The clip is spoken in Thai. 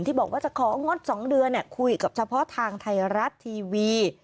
ที่บอกว่าจะของงด๒เดือนคุยกับเฉพาะทางไทยรัฐทีวี